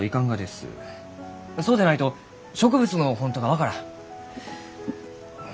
そうでないと植物の本当が分からん。